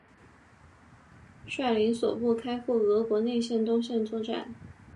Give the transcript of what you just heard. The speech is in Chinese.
率领所部开赴俄国内战东线作战。